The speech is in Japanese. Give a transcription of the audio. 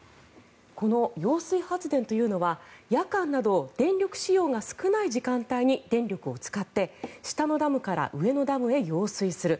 この揚水発電というのは夜間など電力使用が少ない時間帯に電力を使って下のダムから上のダムへ揚水する。